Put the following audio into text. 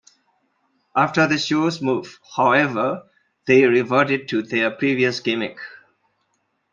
After the show's move, however, they reverted to their previous gimmick.